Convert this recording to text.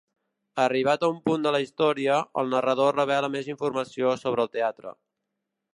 Arribat un punt de la història, el narrador revela més informació sobre el teatre.